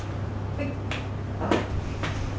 はい。